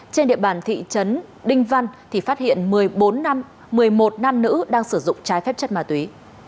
trên địa bàn thị trấn đinh văn phát hiện một mươi bốn năm một mươi một năm nữ đang sử dụng trái phép chất ma túy